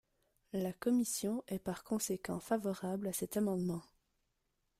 La commission est par conséquent favorable à cet amendement.